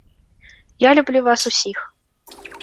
Я люблю вас усіх.